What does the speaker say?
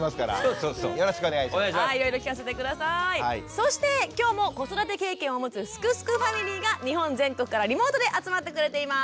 そして今日も子育て経験を持つ「すくすくファミリー」が日本全国からリモートで集まってくれています。